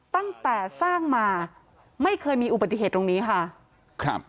ตั้งแต่สร้างมาไม่เคยมีอุบัติเหตุตรงนี้ค่ะครับ